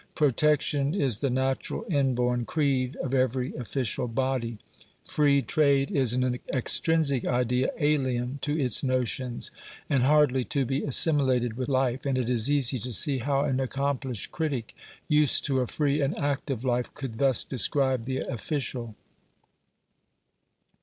Protection is the natural inborn creed of every official body; free trade is an extrinsic idea alien to its notions, and hardly to be assimilated with life; and it is easy to see how an accomplished critic, used to a free and active life, could thus describe the official.